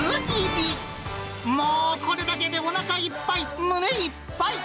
もう、これだけでおなかいっぱい、胸いっぱい。